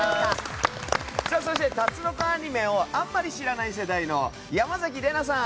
そして、タツノコアニメをあまり知らない世代の山崎怜奈さん。